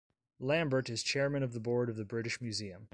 Lambert is Chairman of the board of the British Museum.